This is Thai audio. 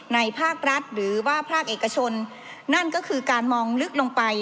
ภาครัฐหรือว่าภาคเอกชนนั่นก็คือการมองลึกลงไป